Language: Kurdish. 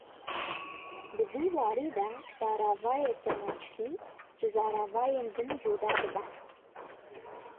Di vî warî de zaravayê kirmanckî ji zaravayên din cuda dibe